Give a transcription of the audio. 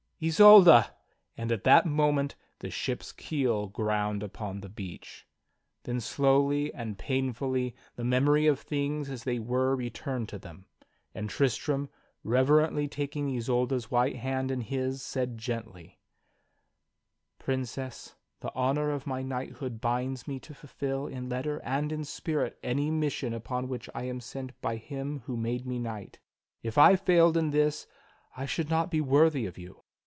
"Isolda!" And at that moment the ship's keel ground upon the beach. Then slowly and painfully the memory of things as they were returned to them; and Tristram, reverently taking Isolda's white hand in his said gently: "Princess, the honor of my knighthood binds me to fulfill in letter and in spirit any mission upon which I am sent by him who TRISTRAM, THE FOREST KNIGHT 79 made me knight. If I failed in this I should not be worthy of you.